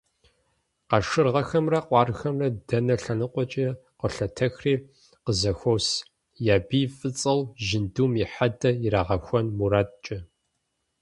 Къашыргъэхэмрэ къуаргъхэмрэ дэнэ лъэныкъуэкӀи къолъэтэхри къызэхуос, я бий фӀыцӀэу жьындум и хьэдэ ирагъэхуэн мурадкӀэ.